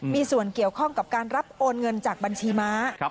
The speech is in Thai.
มีส่วนเกี่ยวข้องกับการรับโอนเงินจากบัญชีม้า